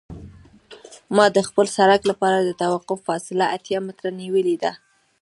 ما د خپل سرک لپاره د توقف فاصله اتیا متره نیولې ده